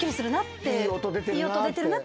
いい音出てるなって。